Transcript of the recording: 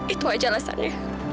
itu aja alasannya